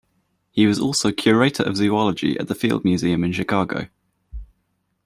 He was also curator of zoology at the Field Museum in Chicago.